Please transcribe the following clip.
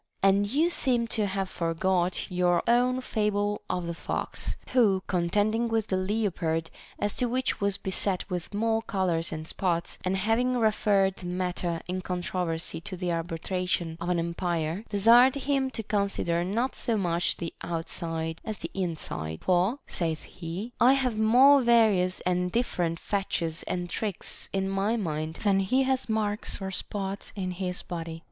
And you seem to have forgot your own fable of the fox, 22 THE BANQUET OF THE SEVEN WISE MEN. who, contending with the leopard as to which was beset with more colors and spots, and having referred the matter in controversy to the arbitration of an umpire, desired him to consider not so much the outside as the inside ; for, saith he, I have more various and different fetches and tricks in my mind than he has marks or spots in his body.